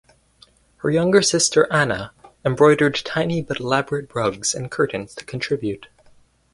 Her younger sister Anna embroidered tiny but elaborate rugs and curtains to contribute.